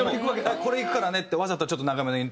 これいくからねってわざとちょっと長めのイントロして。